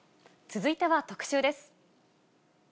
続いては特集です。